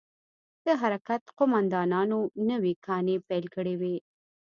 د حرکت قومندانانو نوې کانې پيل کړې وې.